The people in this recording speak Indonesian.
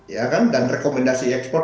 ya kan dan rekomendasi ekspor